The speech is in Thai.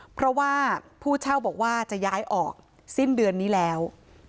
เพราะว่าผู้เช่าบอกว่าจะย้ายออกสิ้นเดือนนี้แล้ว